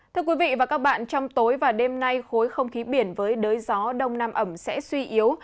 thưa quý vị và các bạn trong tối và đêm nay khối không khí biển với đới gió đông nam ẩm sẽ suy yếu